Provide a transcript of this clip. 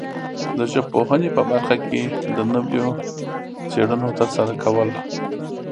د ژبپوهنې په برخه کې د نویو څېړنو ترسره کول